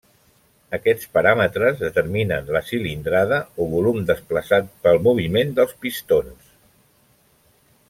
Aquests paràmetres determinen la cilindrada o volum desplaçat pel moviment dels pistons.